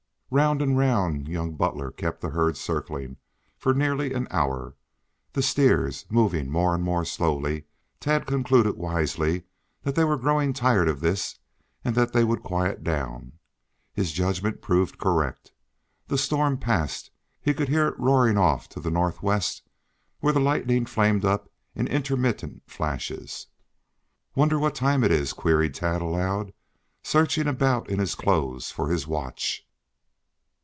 Round and round young Butler kept the herd circling for nearly an hour. The steers, moving more and more slowly, Tad concluded wisely that they were growing tired of this and that they would quiet down. His judgment proved correct. The storm passed. He could hear it roaring off to the northwest where the lightning flamed up in intermittent flashes. "Wonder what time it is," queried Tad aloud, searching about in his clothes for his watch.